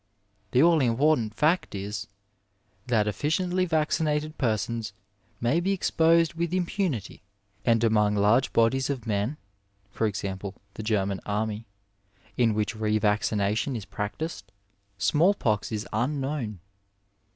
The all important &ct is this : That efficiently vaccinated persons may be exposed with impunity, and among large bodies of men (e.g., the Ger man army), in which revaccination is practised, small pox is unknown.